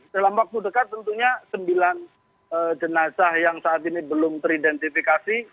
dalam waktu dekat tentunya sembilan jenazah yang saat ini belum teridentifikasi